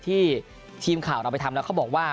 ทีมข่าวเราไปทำแล้วเขาบอกว่า